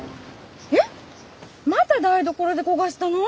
えっまた台所で焦がしたの？